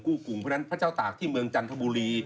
กลุ่มเพราะฉะนั้นพระเจ้าตากที่เมืองจันทบุรี